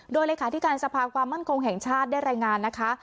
โดยละครที่การสภาคความมั่นคงแห่งชาติได้แรงงานนะคะ